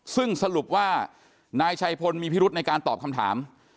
ซึ่งสรุปว่านายชัยพลมีพิรุธในการตอบคำถาม